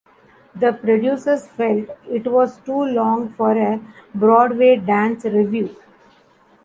The producers felt it was too long for a Broadway dance review.